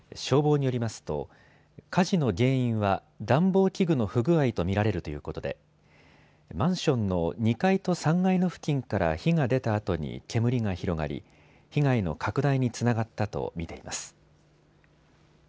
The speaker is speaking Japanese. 消防によりますと火事の原因は暖房器具の不具合と見られるということでマンションの２階と３階の付近から火が出たあとに煙が広がり被害の拡大につながったと見ています。